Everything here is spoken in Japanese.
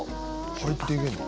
入っていけんの？